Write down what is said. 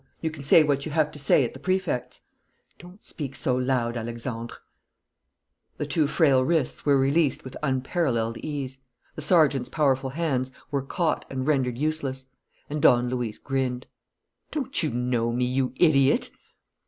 You can say what you have to say at the Prefect's." "Don't speak so loud, Alexandre." The two frail wrists were released with unparalleled ease; the sergeant's powerful hands were caught and rendered useless; and Don Luis grinned: "Don't you know me, you idiot?"